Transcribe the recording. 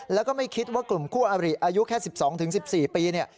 แล้วก็ไม่คิดว่ากลุ่มคู่อบริอายุแค่๑๒๑๔ปีเนี่ย